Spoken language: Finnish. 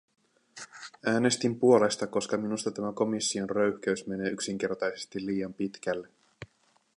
Äänestin puolesta, koska minusta tämä komission röyhkeys menee yksinkertaisesti liian pitkälle.